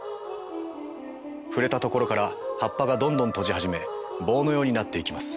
触れたところから葉っぱがどんどん閉じ始め棒のようになっていきます。